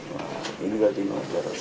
wah ini berarti mau cabut